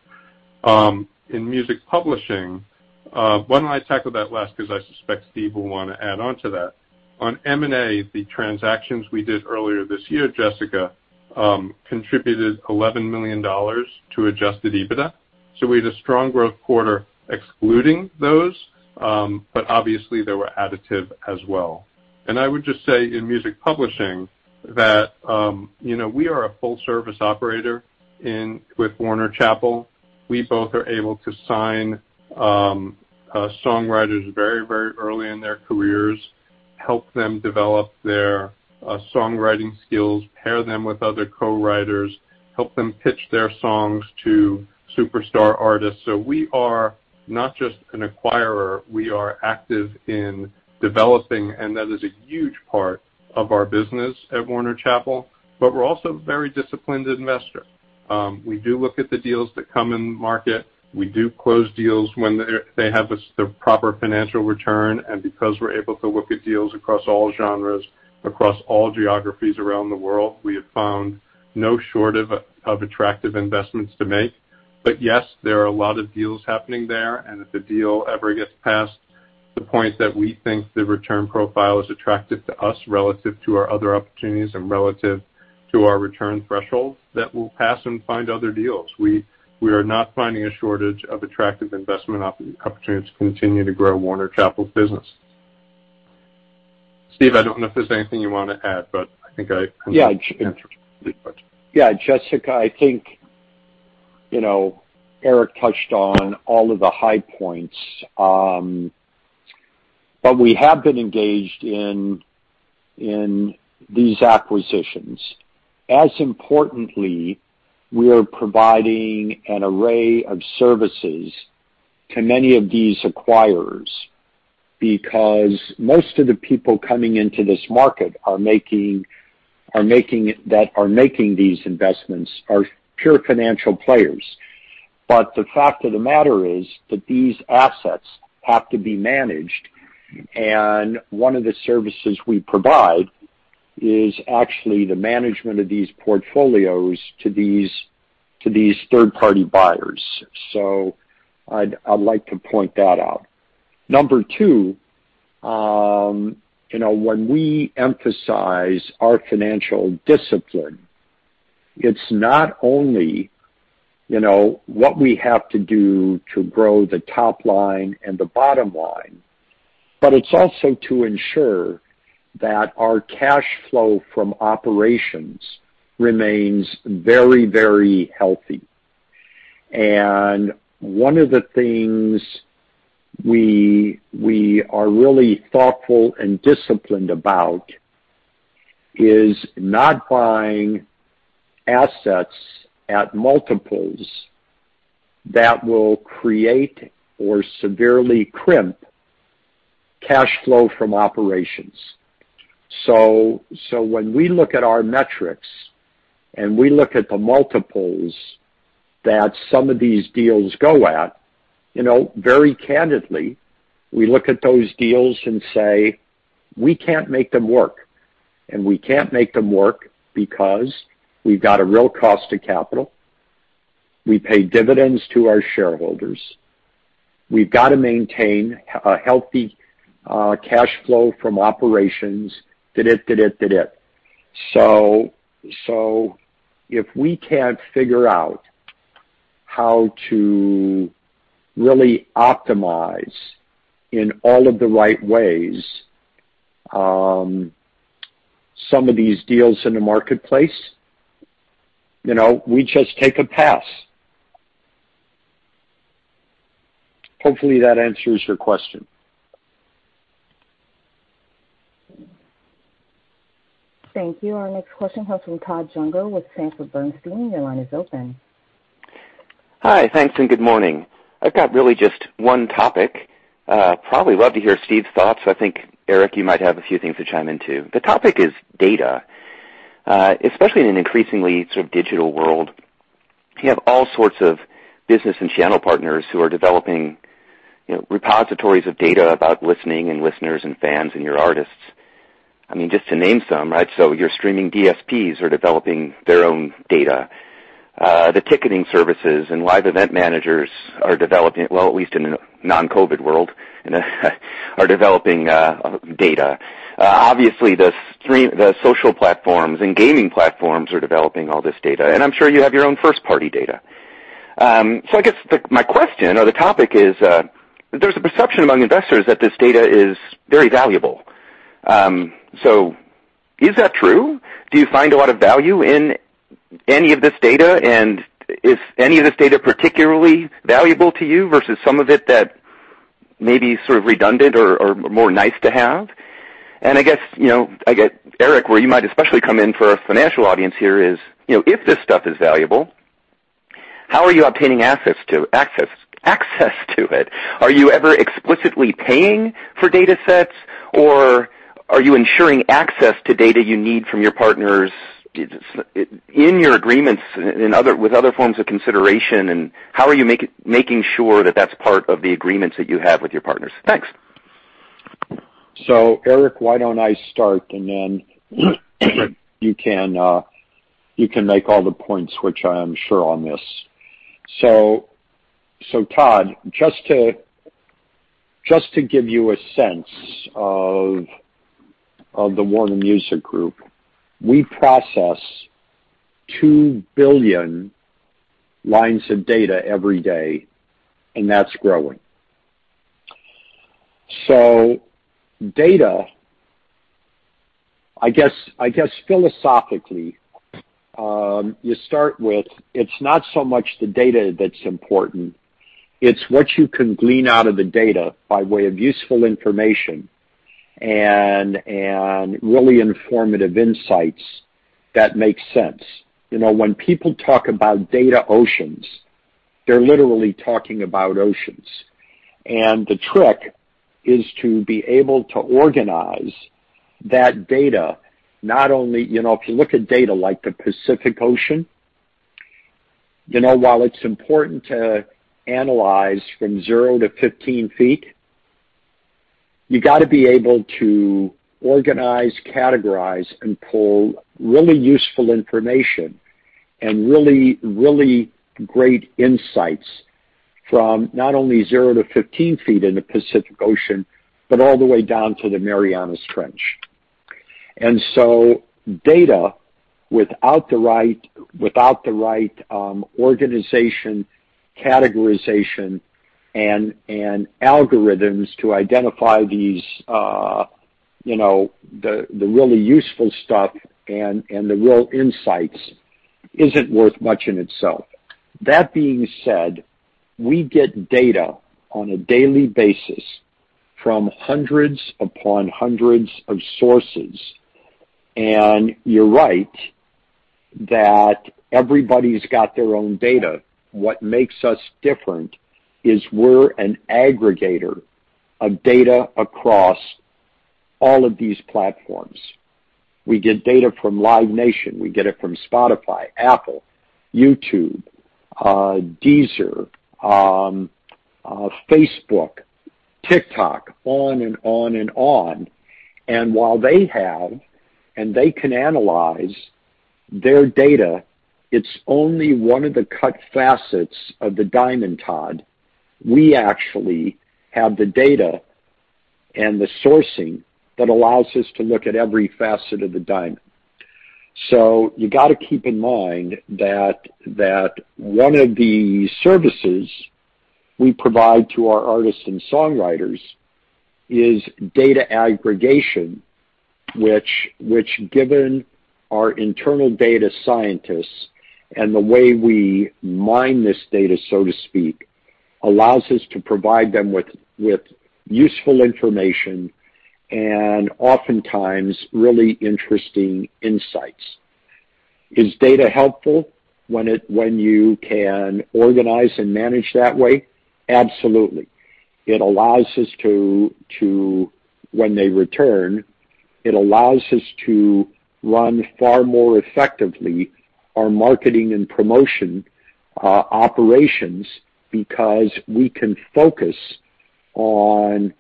In music publishing, why don't I tackle that last because I suspect Steve will want to add onto that. On M&A, the transactions we did earlier this year, Jessica, contributed $11 million to adjusted EBITDA. We had a strong growth quarter excluding those, but obviously they were additive as well. I would just say in music publishing. That we are a full-service operator with Warner Chappell. We both are able to sign songwriters very early in their careers, help them develop their songwriting skills, pair them with other co-writers, help them pitch their songs to superstar artists. We are not just an acquirer. We are active in developing, and that is a huge part of our business at Warner Chappell, but we're also a very disciplined investor. We do look at the deals that come in the market. We do close deals when they have the proper financial return, and because we're able to look at deals across all genres, across all geographies around the world, we have found no shortage of attractive investments to make. Yes, there are a lot of deals happening there, and if the deal ever gets past the point that we think the return profile is attractive to us relative to our other opportunities and relative to our return threshold, that we'll pass and find other deals. We are not finding a shortage of attractive investment opportunities to continue to grow Warner Chappell's business. Steve, I don't know if there's anything you want to add, but I think I kind of answered the question. Yeah, Jessica, I think Eric touched on all of the high points. We have been engaged in these acquisitions. As importantly, we are providing an array of services to many of these acquirers because most of the people coming into this market that are making these investments are pure financial players. The fact of the matter is that these assets have to be managed, and one of the services we provide is actually the management of these portfolios to these third-party buyers. I'd like to point that out. Number 2, when we emphasize our financial discipline, it's not only what we have to do to grow the top line and the bottom line, but it's also to ensure that our cash flow from operations remains very healthy. One of the things we are really thoughtful and disciplined about is not buying assets at multiples that will create or severely crimp cash flow from operations. When we look at our metrics and we look at the multiples that some of these deals go at, very candidly, we look at those deals and say, "We can't make them work." We can't make them work because we've got a real cost to capital. We pay dividends to our shareholders. We've got to maintain a healthy cash flow from operations. If we can't figure out how to really optimize in all of the right ways some of these deals in the marketplace, we just take a pass. Hopefully, that answers your question. Thank you. Our next question comes from Todd Juenger with Sanford C. Bernstein. Your line is open. Hi. Thanks. Good morning. I've got really just one topic. Probably love to hear Steve's thoughts. I think, Eric, you might have a few things to chime in, too. The topic is data, especially in an increasingly sort of digital world. You have all sorts of business and channel partners who are developing repositories of data about listening and listeners and fans and your artists. Just to name some, your streaming DSPs are developing their own data. The ticketing services and live event managers are developing, well at least in a non-COVID world, are developing data. Obviously, the social platforms and gaming platforms are developing all this data, and I'm sure you have your own first-party data. I guess my question or the topic is, there's a perception among investors that this data is very valuable. Is that true? Do you find a lot of value in any of this data? Is any of this data particularly valuable to you versus some of it that may be sort of redundant or more nice to have? I guess, Eric, where you might especially come in for a financial audience here is, if this stuff is valuable, how are you obtaining access to it? Are you ever explicitly paying for datasets, or are you ensuring access to data you need from your partners in your agreements with other forms of consideration, and how are you making sure that that's part of the agreements that you have with your partners? Thanks. Eric, why don't I start, and then you can make all the points which I am sure on this. Todd, just to give you a sense of the Warner Music Group, we process 2 billion lines of data every day, and that's growing. Data, I guess philosophically, you start with it's not so much the data that's important, it's what you can glean out of the data by way of useful information and really informative insights that make sense. When people talk about data oceans, they're literally talking about oceans. The trick is to be able to organize that data. [Not only] if you look at data like the Pacific Ocean, while it's important to analyze from zero to 15 feet, you got to be able to organize, categorize, and pull really useful information and really great insights from not only zero to 15 feet in the Pacific Ocean, but all the way down to the Marianas Trench. Data without the right organization, categorization, and algorithms to identify the really useful stuff and the real insights isn't worth much in itself. That being said, we get data on a daily basis from hundreds upon hundreds of sources, and you're right that everybody's got their own data. What makes us different is we're an aggregator of data across all of these platforms. We get data from Live Nation, we get it from Spotify, Apple, YouTube, Deezer, Facebook, TikTok, on and on [and on]. While they have and they can analyze their data, it's only one of the cut facets of the diamond, Todd. We actually have the data and the sourcing that allows us to look at every facet of the diamond. You got to keep in mind that one of the services we provide to our artists and songwriters is data aggregation, which given our internal data scientists and the way we mine this data, so to speak, allows us to provide them with useful information and oftentimes really interesting insights. Is data helpful when you can organize and manage that way? Absolutely. When they return, it allows us to run far more effectively our marketing and promotion operations because we can focus on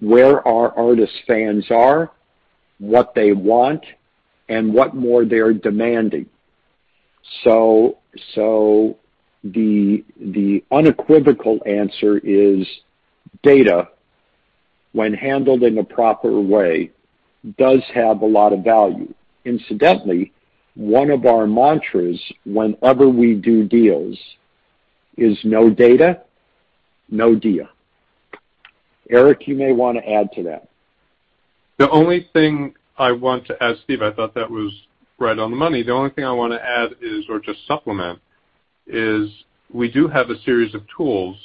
where our artists' fans are, what they want, and what more they're demanding. The unequivocal answer is data, when handled in a proper way, does have a lot of value. Incidentally, one of our mantras whenever we do deals is "No data, no deal." Eric, you may want to add to that. [The only thing I want to add] Steve, I thought that was right on the money. The only thing I want to add is, or just supplement, is we do have a series of tools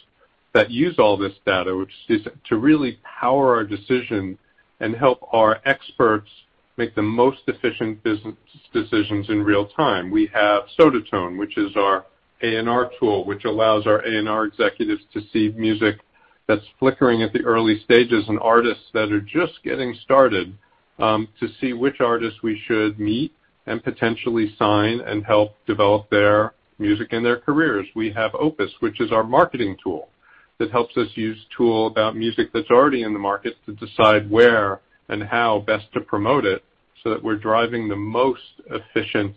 that use all this data, which is to really power our decision and help our experts make the most efficient business decisions in real-time. We have Sodatone, which is our A&R tool, which allows our A&R executives to see music that's flickering at the early stages and artists that are just getting started, to see which artists we should meet and potentially sign and help develop their music and their careers. We have Opus, which is our marketing tool that helps us use tool about music that's already in the market to decide where and how best to promote it so that we're driving the most efficient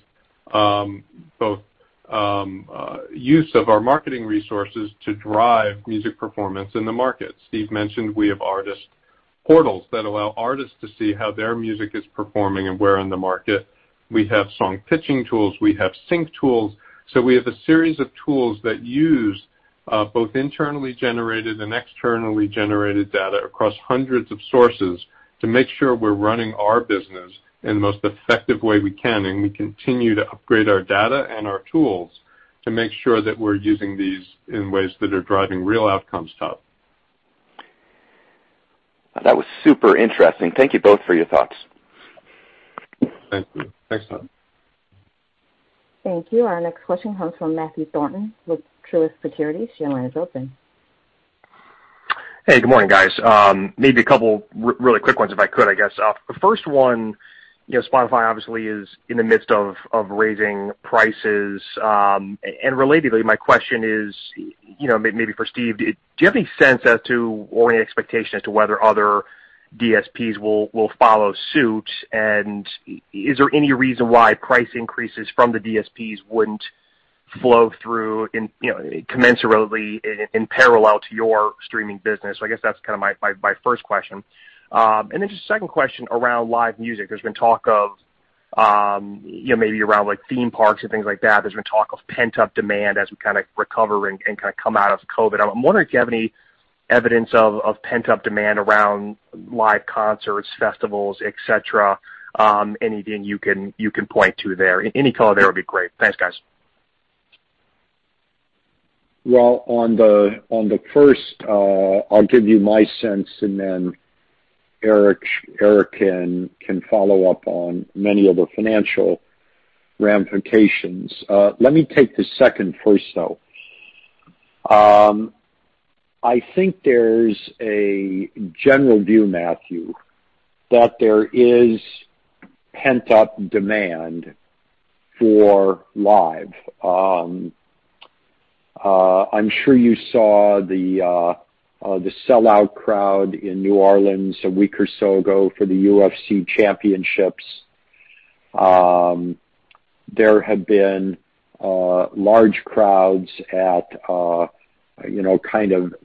both use of our marketing resources to drive music performance in the market. Steve mentioned we have artist portals that allow artists to see how their music is performing and where in the market. We have song pitching tools, we have sync tools. We have a series of tools that use both internally generated and externally generated data across hundreds of sources to make sure we're running our business in the most effective way we can. We continue to upgrade our data and our tools to make sure that we're using these in ways that are driving real outcomes, Todd. That was super interesting. Thank you both for your thoughts. Thank you. Thanks, Todd. Thank you. Our next question comes from Matthew Thornton with Truist Securities. Your line is open. Hey, good morning, guys. Maybe a couple really quick ones, if I could. The first one, Spotify obviously is in the midst of raising prices. [And relatedly,] my question is, maybe for Steve Cooper, do you have any sense as to orient expectation as to whether other DSPs will follow suit? Is there any reason why price increases from the DSPs wouldn't flow through commensurately in parallel to your streaming business? I guess that's my first question. Just a second question around live music. There's been talk of around theme parks and things like that. There's been talk of pent-up demand as we recover and come out of COVID. I'm wondering if you have any evidence of pent-up demand around live concerts, festivals, et cetera. Anything you can point to there. Any color there would be great. Thanks, guys. On the first, I'll give you my sense, and then Eric can follow up on many of the financial ramifications. Let me take the second first, though. I think there's a general view, Matthew, that there is pent-up demand for live. I'm sure you saw the sellout crowd in New Orleans a week or so ago for the UFC championships. There have been large crowds at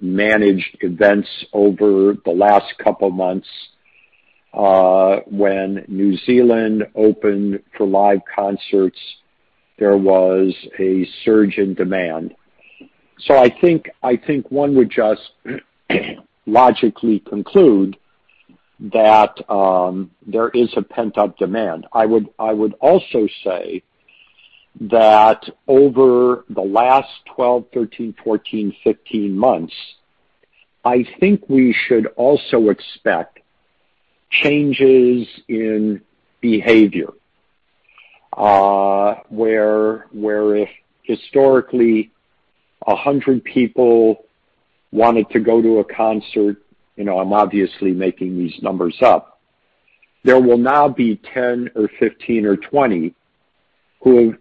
managed events over the last couple of months. When New Zealand opened for live concerts, there was a surge in demand. I think one would just logically conclude that there is a pent-up demand. I would also say that over the last 12, 13, 14, 15 months, I think we should also expect changes in behavior, where if historically 100 people wanted to go to a concert, I'm obviously making these numbers up, there will now be 10 or 15 or 20 who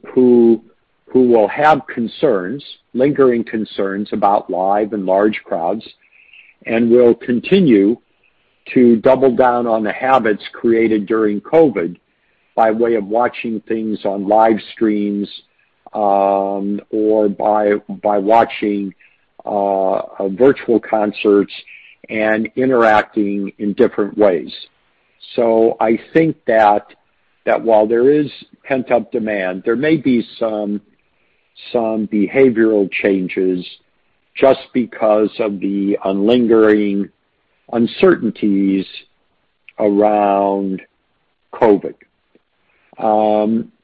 will have lingering concerns about live and large crowds and will continue to double down on the habits created during COVID by way of watching things on live streams or by watching virtual concerts and interacting in different ways. I think that while there is pent-up demand, there may be some behavioral changes just because of the lingering uncertainties around COVID.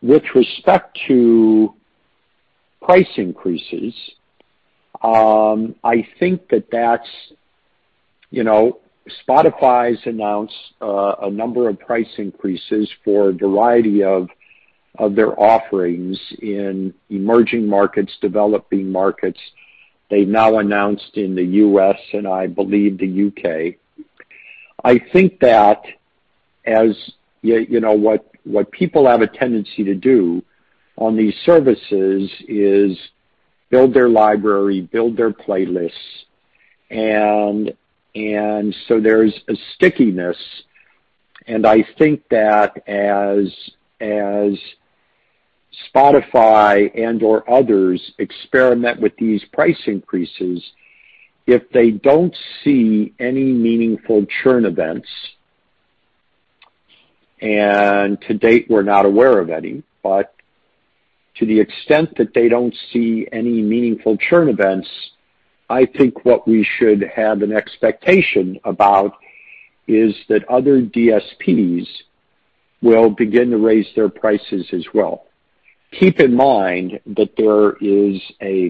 With respect to price increases, Spotify's announced a number of price increases for a variety of their offerings in emerging markets, developing markets. They've now announced in the U.S. and I believe the U.K. I think that what people have a tendency to do on these services is build their library, build their playlists, there's a stickiness. I think that as Spotify and or others experiment with these price increases, if they don't see any meaningful churn events, and to date, we're not aware of any, but to the extent that they don't see any meaningful churn events, I think what we should have an expectation about is that other DSPs will begin to raise their prices as well. Keep in mind that there is a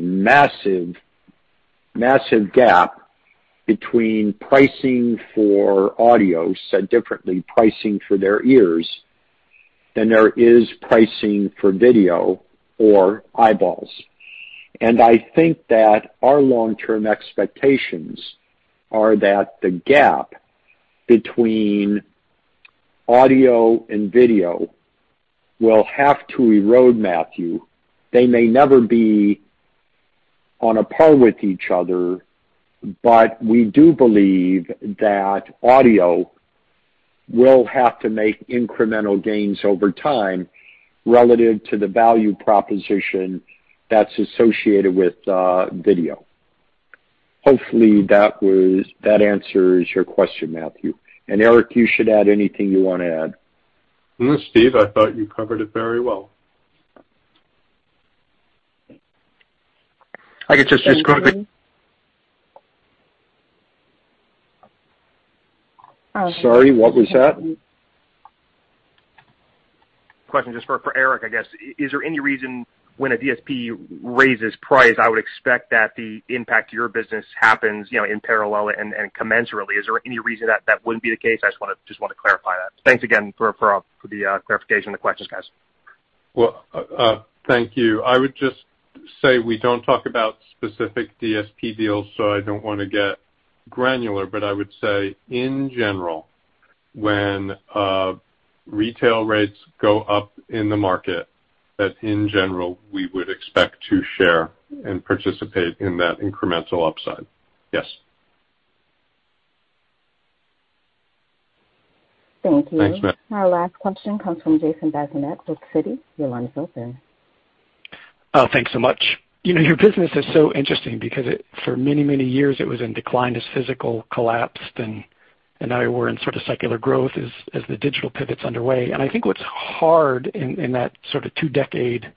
massive gap between pricing for audio, said differently, pricing for their ears, than there is pricing for video or eyeballs. I think that our long-term expectations are that the gap between audio and video will have to erode, Matthew. They may never be on a par with each other, but we do believe that audio will have to make incremental gains over time relative to the value proposition that's associated with video. Hopefully, that answers your question, Matthew. Eric, you should add anything you want to add. No, Steve, I thought you covered it very well. I could just- Thank you. Sorry, what was that? Question just for Eric, I guess. Is there any reason when a DSP raises price, I would expect that the impact to your business happens in parallel and commensurately. Is there any reason that that wouldn't be the case? I just want to clarify that. Thanks again for the clarification on the questions, guys. Well, thank you. I would just say we don't talk about specific DSP deals, so I don't want to get granular, but I would say, in general, when retail rates go up in the market, that in general, we would expect to share and participate in that incremental upside. Yes. Thank you. Thanks, ma'am. Our last question comes from Jason Bazinet with Citi. Your line is open. Thanks so much. Your business is so interesting because for many, many years it was in decline as physical collapsed, and now we're in sort of secular growth as the digital pivot's underway. I think what's hard in that sort of two-decade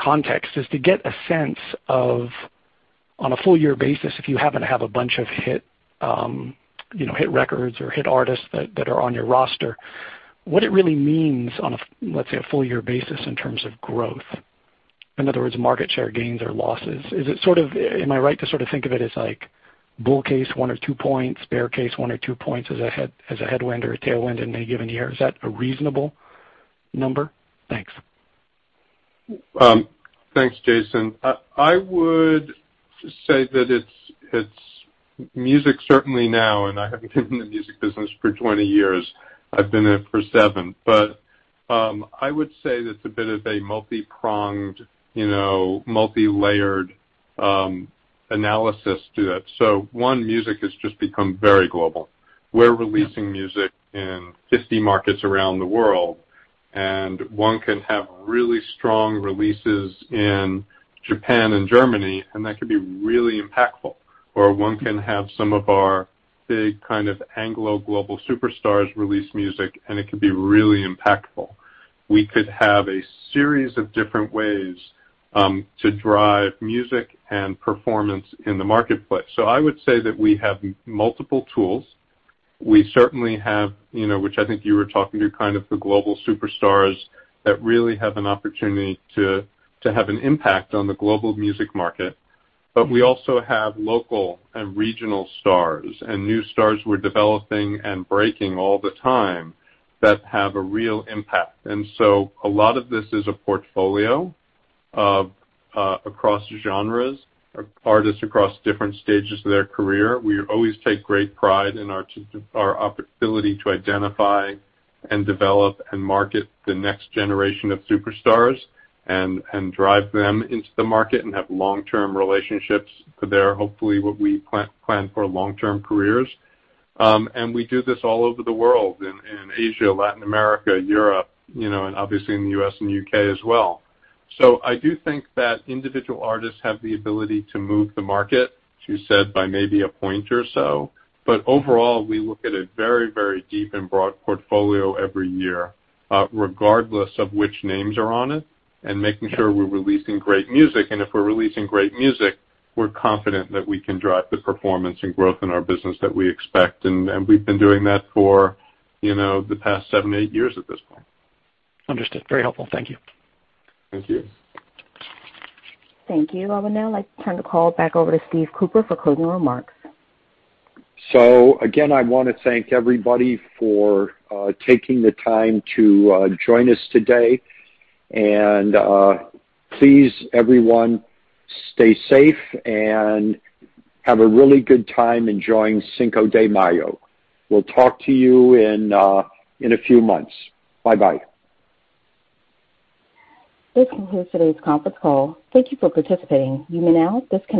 context is to get a sense of, on a full year basis, if you happen to have a bunch of hit records or hit artists that are on your roster, what it really means on, let's say, a full year basis in terms of growth. In other words, market share gains or losses. Am I right to sort of think of it as like bull case 1 or 2 points, bear case 1 or 2 points as a headwind or a tailwind in any given year? Is that a reasonable number? Thanks. Thanks, Jason. I would say that it's music certainly now, and I haven't been in the music business for 20 years. I've been there for seven. I would say that's a bit of a multi-pronged, multi-layered analysis to it. One, music has just become very global. We're releasing music in 50 markets around the world, and one can have really strong releases in Japan and Germany, and that can be really impactful. One can have some of our big kind of Anglo global superstars release music, and it can be really impactful. We could have a series of different ways to drive music and performance in the marketplace. [So] I would say that we have multiple tools. We certainly have, which I think you were talking to kind of the global superstars that really have an opportunity to have an impact on the global music market. We also have local and regional stars and new stars we're developing and breaking all the time that have a real impact. A lot of this is a portfolio across genres, artists across different stages of their career. We always take great pride in our ability to identify and develop and market the next generation of superstars and drive them into the market and have long-term relationships. They're hopefully what we plan for long-term careers. We do this all over the world in Asia, Latin America, Europe, and obviously in the U.S. and U.K. as well. I do think that individual artists have the ability to move the market, as you said, by maybe a point or so. [But] overall, we look at a very, very deep and broad portfolio every year, regardless of which names are on it, and making sure we're releasing great music. If we're releasing great music, we're confident that we can drive the performance and growth in our business that we expect. We've been doing that for the past seven, eight years at this point. Understood. Very helpful. Thank you. Thank you. Thank you. I would now like to turn the call back over to Steve Cooper for closing remarks. Again, I want to thank everybody for taking the time to join us today. Please, everyone, stay safe and have a really good time enjoying Cinco de Mayo. We'll talk to you in a few months. Bye bye. This concludes today's conference call. Thank You for participating. You may now disconnect.